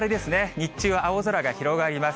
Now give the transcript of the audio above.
日中は青空が広がります。